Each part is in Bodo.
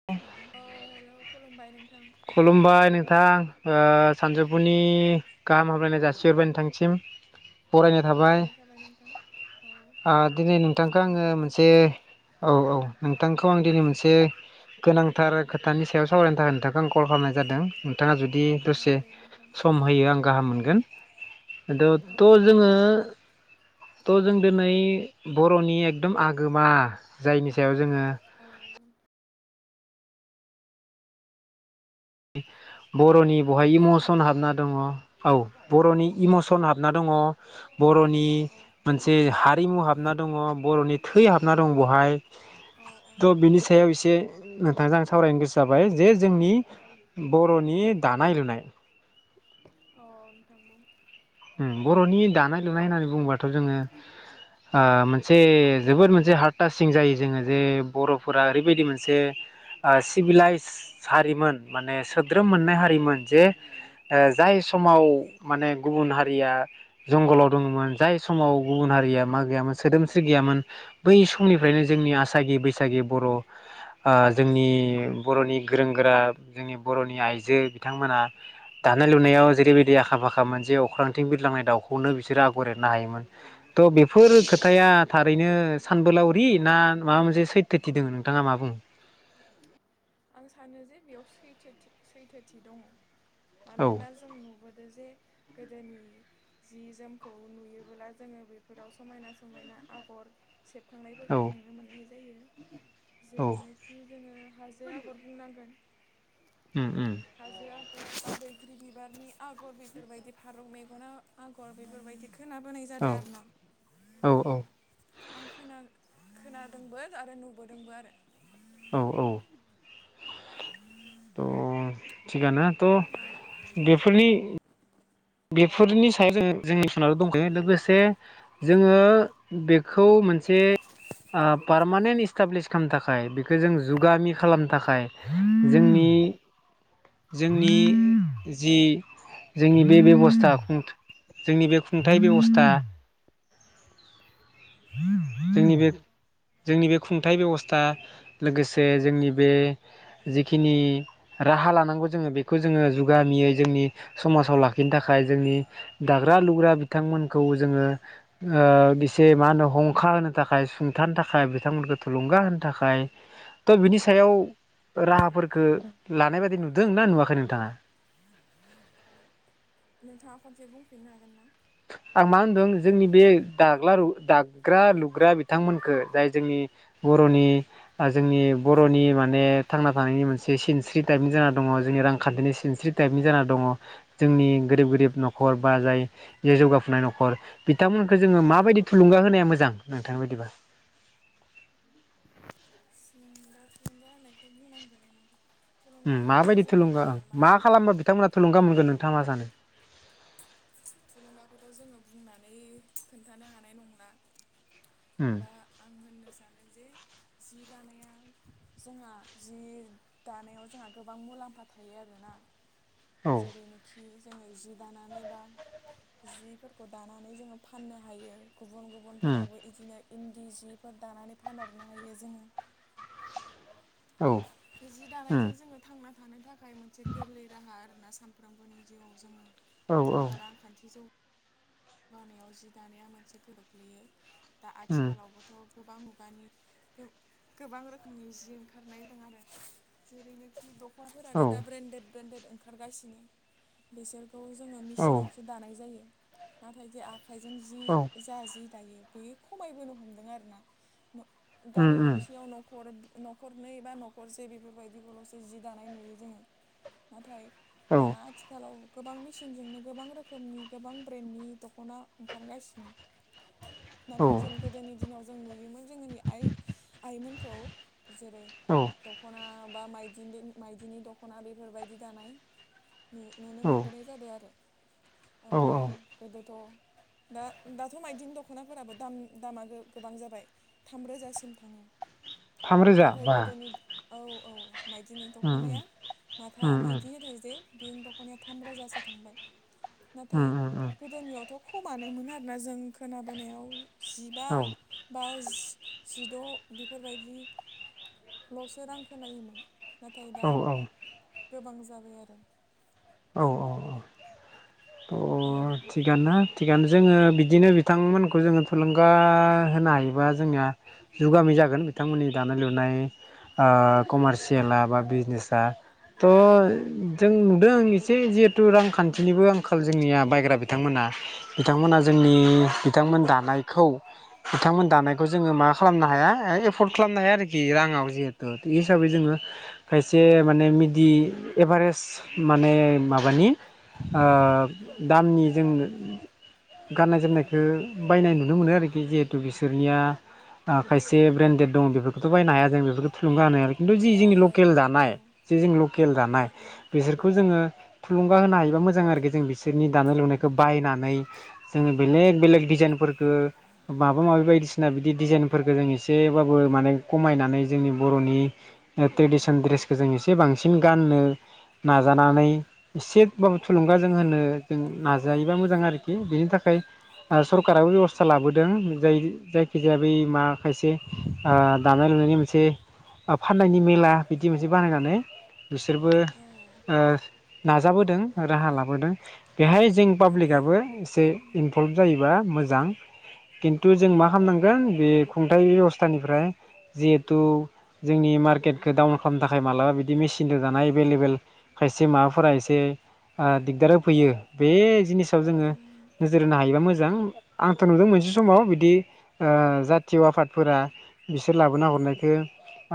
[inaudible] औ हेल' खुलुमबाय नोंथां। खुलुमबाय नोंथां ओ सानजौफुनि गाहाम हामलायनाय जासि। सेरबायनि थांसिम। बरायनाय थाबाय आ दिनै नोंथांखौ आङो मोनसे औ औ नोंथांखौ आं दिनै मोनसे गोनांथार खोथानि सायाव सावरायनो थाखाय नोंथांखौ आं कल खालामनाय जादों नोंथाङा जुदि दसे सम होयो आं गाहाम मोनगोन। [unintelligible] थ' जों दिनै बर'नि एकदम आगोमा जायनि सायाव जोङो अ'। बर'नि बहाय इम'सन हाबना दङ। औ बर'नि इम'सन हाबना दङ बर'नि मोनसे हारिमु हाबना दङ बर'नि थै हाबना दङ बहाय। थ' बिनि सायाव एसे नोंथांजों आं सावरायनो गोसो जाबाय। जे जोंनि बर'नि दानाय लुनाय। अ' नोंथां बुं। उम बर'नि दानाय लुनाय होननानै बुङोबाथ' जोङो। ओ मोनसे जोबोद मोनसे हार्डटासिं जायो जोङो जे बर'फोरा ओरैबायदि मोनसे ओ सिभिलाइस हारिमोन माने सोद्रोम मोननाय हारिमोन जे ओ जाय समाव माने गुबुन हारि हारिया जंगलाव दङमोन जाय समाव गुबुन हारिया मा गैयामोन सोदोमस्रि गैयामोन। बै समनिफ्रायनो जोंनि आसागि बैसागि बर' जोंनि बर'नि गोरों गोरा जोंनि बर'नि आइजो बिथांमोना दानाय लुनायाव जेरैबायदि आखा फाखा जे अख्रां थिं बिरलांनाय दाउखौनो बिसोरो आगर एरनो हायोमोन थ बेफोर खोथाया थारैनो सानबोलावरि ना माबा मोनसे सैथोथि दङ नोंथाङा मा ब बुङो? आं सानो जे बेयाव सैथोथि सैथोथि दङ मानोना जों नुबोदों जे गोदोनि जि जोमखौ नुयोबोब्ला जोङो बेफोराव समायना समायना आगर सेबखांनायफोरखौ नुनो मोननाय जायो जेरैनोखि जोङो हाजो जे आगर बुंनांगोन। उम उम। हाजो आगर बा बैग्रि बिबारनि आगर बेफोरबायदि फारौ मेगना आग'र बेफोरबायदि खोनाबोनाय जादों आरो न। औ औ आं खोना खोनादोंबो आरो नुबोदोंबो आरो। औ औ। थ' थिगानो थ' बेफोरनि बेफोरनि सायाव जों जोंनि [unintelligible] दंखायो लोगोसे जोङो बेखौ मोनसे पारमानेन्ट इस्टाब्लिस खामनो थाखाय बेखौ जों जुगामि खालामनो थाखाय जोंनि जोंनि जि जोंनि बे बेव बेबस्था खुं जोंनि बे खुंथाइ बेब'स्था जोंनि बे जोंनि बे खुंथाइ बेबस्था लोगोसे जोंनि बे जिखिनि राहा लानांगौ जोङो बेखौ जोङो जुगामियै जोंनि समाजाव लाखिनो थाखाय जोंनि दाग्रा लुग्रा बिथांमोनखौ जोङो बेसे मा होनो हं खा होनो थाखाय सुंथानो थाखाय बिथांमोनखौ थुलुंगा होनो थाखाय थ' बिनि सायाव राहाफोरखो लानाय बायदि नुदों ना नुवाखै नोंथाङा? नोंथाङा खनसे बुंफिननो हागोन ना? आं मा होनदों जोंनि बे दाग्ला रु दाग्रा लुग्रा जाय जोंनि बर'नि आ जोंनि बर'नि माने थांना थानायनि मोनसे सिनस्रि टाइपनि जाना दङ जोंनि रांखान्थिनि सिनस्रि टाइपनि जाना दङ जोंनि गोरिब गोरिब न'खर बा जाय बे जौगाफुनाय न'खर बिथांमोनखौ जोङो माबायदि थुलुंगा होनाया मोजां नोंथांनि बायदिबा? थुलुंगा थुलुंगा होननायखौ बुंनांगोन ना नोंथां? उम माबायदि थुलुंगा ओं मा खालामबा बिथांमोना थुलुंगा मोनगोन नोंथाङा मा सानो? थुलुंगाखौथ' जोङो बुंनानै खोन्थानो हानाय नंला। बा आं होननो सानो जे सि दानाया जोंहा जि दानायाव जोंहा गोबां मुलाम्फा थायो आरोना जेरैनो खि जोङो जि दानानै बा जिफोरखौ दानानै जोङो फाननो हायो। गुबुन गुबुनफोरावबो इदिनो इन्दि जिफोर दानानै फानहरनो हायो जोङो। बे जि दानायजों जोङो थांना थानो थाखाय मोनसे गोरलै राहा आरोना सान फ्रामबोनि जिउआव जोङो जेनेबा रांखान्थि जौ गा होनायाव जि दानाया मोनसे [unintelligible] गोग्लैयो दा आथिखालावबोथ' गोबां मुगानि गो-गोबां रोखोमनि जि ओंखारनाय दों आरो जेरैनोखि [unintelligible] दखानाफोरानो दा ब्रेन्डेड ब्रेन्डेड ओंखारगासिनो बिसोरखौ जोङो मेसिनावसो दानाय जायो नाथाय जे आखाइजों जि जा जि दायो बे खमायबोनो हमदों आरोना न' गामि गंसेयाव न'खर न'खरनै बा न'खरसे बेफोरबायदिखौल'सो जि दानाय नुयो जोङो नाथाय दाना आथिखालाव गोबां मेसिनजोंनो गोबां रोखोमनि गोबां ब्रेन्डनि दखना ओंखारगासिनो नाथाय जों गोदोनि दिनाव जों नुयोमोन जोंनि आइ आइमोनखौ जेरै - औ दख'ना बा माइदि माइदिनि दख'ना बेफोरबायदि दानाय। नु-नुनो मोनबोनाय जादों आरो ओमफ्राय गोदोथ' दा-दाथ' मायदिनि दख'नाफोराबो दाम दामा गो-गोबां जाबाय। थामरोजासिम थाङो। नाथाय गोदोनि औ औ मायदिनि दख'नाया माथा मायदि होदो दे बे दख'नाया थाम रोजासो थांबाय नाथाय गोदोनियावथ' खमानोमोन आरोना जों खोनाबोनायाव जिबा बा जि-जिद' बेफोरबायदिल'सो रां खोनायोमोन नाथाय दा गोबां जाबाय आरो। औ औ औ त' थिगानो ना थिगानो जोङो बिदिनो बिथांमोनखौ जोङो थुलुंगा होनो हायोबा जोंनिया जुगामि जागोन बिथांमोननि दानाय लुनाय ओ कमारसियेला बा बिजनेसा थ' जों नुदों एसे जिहेथु रांखान्थिनिबो आंखाल जोंनिया बायग्रा बिथांमोना बिथांमोना जोंनि बिथांमोन दानायखौ बिथांमोन दानायखौ जोङो मा खालामनो हाया एफर्ड खालामनो हाया आरोखि राङाव जिहेथु बेनि हिसाबै जोङो खायसे माने मिदि एभारेेजट माने माबानि ओ दामनि जों गाननाय जोमनायखौ बायनाय नुनो मोनो आरोखि जिहेतु बिसोरनिया ओ खायसे ब्रेन्डेड दं बेफोरखौथ' बायनो हाया जों बेफोरखौ थुलुंगा होनो हाया खिन्थु जि जोंनि लकेल दानाय जि जों लकेल दानाय बिसोरखौ जोङो थुलुंगा होनो हायोबा मोजां आरोखि जों बिसोरनि दानाय लुनायखौ बायनानै जोङो बेलेग बेलेग डिजाइनफोरखौ माबा माबि बायदिसिना बिदि डिजाइनफोरखौ जों एसेबाबो माने खमायनानै जोंनि बर'नि ओ ट्रेडिसनेल ड्रेसखौ जों एसे बांसिन गाननो नाजानानै एसेबाबो थुलुंगा जों होनो जों नाजायोबा मोजां आरोखि बेनि थाखाय ओ सखाराबो बेबस्था था लाबोदों जाय जायखिजाया बै मा खायसे ओ दानाय लुनायनि मोनसे ओ फाननायनि मेला बिदि मोनसे बानायनानै बिसोरबो ओ नाजाबोदों राहा लाबोदों। बेहाय जों पाब्लिकआबो एसे इनभल्भ जायोबा मोजां खिन्थु जों मा खालामनांगोन बे खुंथाइ बेबस्थानिफ्राय जिहेथु जोंनि मार्केटखौ डाउन खालामनो थाखाय मालाबा बिदि मेचिनजों दानाया एभेलेबेल खायसे माबाफोरा एसे ओ दिगदार होफैयो बे जिनिस आव जोङो नोजोर होनो हायोबा मोजां। आंथ' नुदों मोनसे समाव बिदि ओ जाथिय' आफादफोरा बिसोर लाबोना हरनायखौ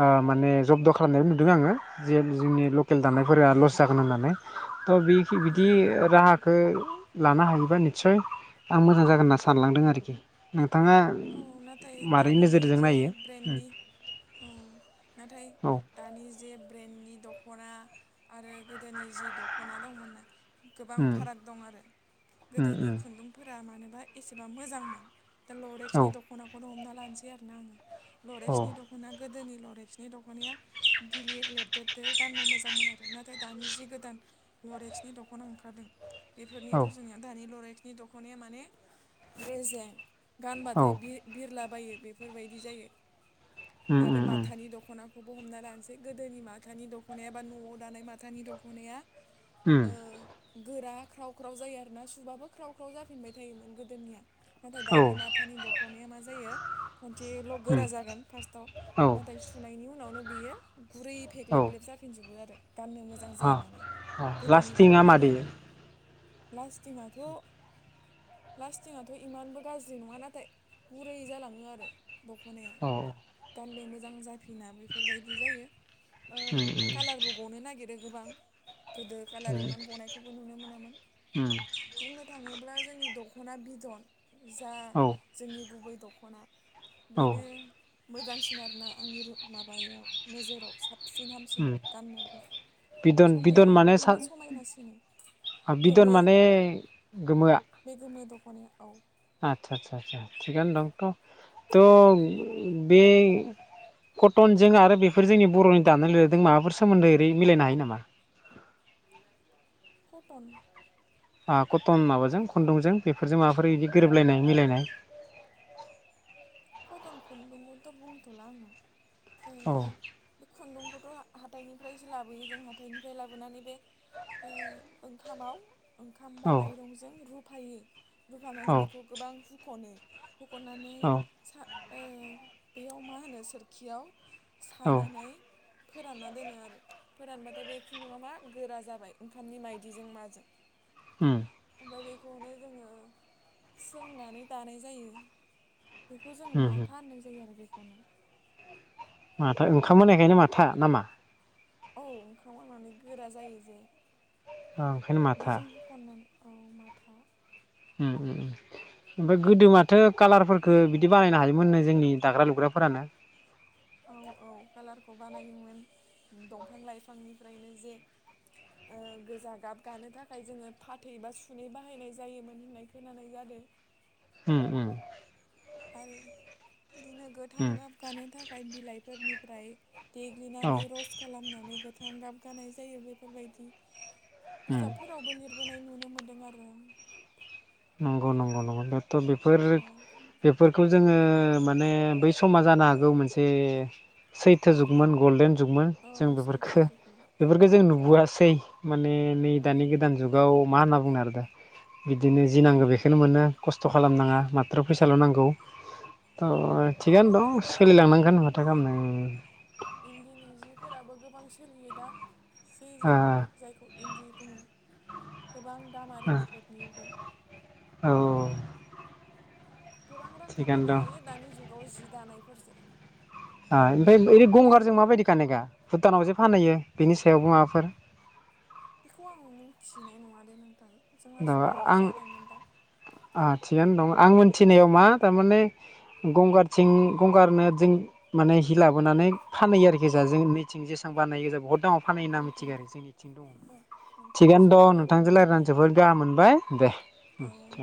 ओ माने जब्द खालामनायबो नुदों आङो जे जोंनि लकेल दानायफोरा लस जागोन होननानै थ' बे बिदि राहा खो लानो हायोबा नित्सय आं मोजां जागोन होनना सानलांदों आरोखि नोंथाङा औ नाथाय दानि जे ब्रेन्डनि औ नाथाय दानि जे ब्रेन्डनि दखना आरो गोदोनि जि दखना दंमोन ना गोबां फाराग दं आरो गोदोनि खुन्दुं फोरा मानोबा एसेबा मोजांमोन दा लरेक्सनि‌‌ दखनाखौनो हमना लानोसै आरो आङो लरेक्सनि दखना गोदोनि लरेक्सनि दखनाया गिलिर लेदोदो गाननो मोजां मोन आरो नाथाय दानि जि गोदान लरेक्सनि दखना ओंखारदों बेफोरनि रुजुनायाव दानि लरेक्सनि दखनाया माने रेजें गानबाथाय बे बिरलाबायो बेफोरबायदि जायो आरो माथानि दखना खौबो हमना लानोसै गोदोनि माथानि दखनाया बा न'आव दानाय माथानि दखनाया ओ गोरा ख्राव ख्राव जायो आरोना सुबाबो ख्राव ख्राव जाफिनबाय थायोमोन गोदोनिया नाथाय दानि माथानि दखनाया मा जायो खनसेल गोरा जागोन फार्स्टआव नाथाय सुनायनि उनावनो बियो गुरै फेग्लेब ग्लेब जाफिनजोबो आरो गाननो मोजां मोजां जाया माने‌ गोदोनि दखनानि लास्टिंआथ लास्टिंआथ इमानबो गाज्रि नङा ना थाय गुरै जालाङो आरो दखनाया औ गाननो मोजां जाफिना बेफोरबायदि जायो ओ कालारबो‌ ग गनो नागिरो गोबां गोदो कालार इमान गनायखौबो नुनो मोनामोन बुंनो थाङोब्ला जोंनि दखना बिदन जा जोंनि गुबै दखना बेनो मोजांसिन आरोना आंनि रो माबाव नोजोराव साब सिन हाबसिन हामसिन गाननोबो समायनायावबो बेनो समायनासिन साबसिनदार माने गोमोआ बे गोमो दखनाया औ आतसा सा सा सा थिगानो दं थ बे कटनजों आरो बेफोर जोंनि बरनि दानाय लुनायदों माबाफोर सोमोन्दै ओरै मिलायनो हायो नामा? कटन आ कटन माबाजों खुन्दुंजों बेफोरजों माबाफोर बिदि गोरोबलायनाय मिलायनाय कतन खुन्दुंखौथ बुंथला आङो ओ बे खुन्दुंखौथ हाथाइनिफ्रायसो लाबोयो जों हाथाइनिफ्राय लाबोनानै बे ओ ओंखामाव ओंखाम बा माइरंजों रुफायो रुफानानै बेखौ गोबां हुखनो हुखननानै सा ओ बैयाव मा होनो सोरखियाव सानानै फोरानना दोनो आरो फोरानबाथाय बे खुन्दुआ मा गोरा जाबाय ओंखामनि माइदिजों माजों होम ओमफाय बेखौनो जोङो सोंनानै दानाय जायो बेखौ जोङो माथा होननाय जायो आरो बेखौनो माथा ओंखाम होनाय खायनो माथा नामा औ ओंखाम होनानै गोरा जायो जे बेजों खननानै औ माथा उम उम उम ओमफ्राय गोदो माथो कालारफोर खो बिदि बानायनो हायोमोननो जोंनि दाग्रा लुग्राफोरानो। औ औ कालारखौ बानायोमोन दंफां लाइफांनिफ्रायनो जे ओ गोजा गाब गानो थाखाय जोङो फाथै बा सुनै बाहायनाय जायोमोन होननाय खोनानाय जादों। उम उम। आरो बिदिनो गोथां गाब गानो थाखाय बिलाइफोरनिफ्राय देग्लिनानै रस खालामनानै गोथां गाब गानाय जायो बेफोरबायदि बिजाबफोरावबो लिरबोनाय नुनो मोन्दों आरो। नंगौ नंगौ नंगौ दा थ' बेफोर बेफोरखौ जोङो माने बै समा जानो हागौ मोनसे सैथो जुगमोन गल्डेन जुगमोन जों बेफोरखो बेफोरखौ जों नुबोआसै माने नै दानि गोदान जुगाव मा होनना बुंनो आरो दा बिदिनो जि नांगौ बेखौनो मोनो खस्थ' खालामनाङा माथ्र' फैसाल' नांगौ। ओ थिगानो दं सोलिलांनांगोन माथो खालामनो ओम। इन्दिनि जिफोराबो गोबां सोलियो दा सि जोम जायखौ इन्दि बुङो, गोबां दाम आरो बेफोरनिबो। औ। गोबां रां खामायनो हायो दानि जुगाव जि दानायफोरजों। आं ओमफ्राय ओरै गंगारजों माबायदि कानेक्टआ भुटानाव जे फानहैयो बिनि सायावबो माबाफोर? बेखौ आं मिथिनाय नङा दे नोंथां। ओ आं आ थिगानो दं आं मोनथिनायाव मा थारमाने गंगारथिं गंगारनो जों माने हि लाबोनानै फानहैयो आरोखि जा जोंनिथिं जेसां बानायो जे बहुत दामाव फानहैयो होनना मिथिगौ आरोखि जोंनिथिं दङ। औ नोंथां समा जाबायमोन जोंनिया। जोबोर गाहाम मोनबाय दे उम दे।